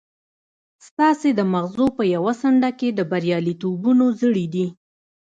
ستاسې د ماغزو په يوه څنډه کې د برياليتوبونو زړي دي.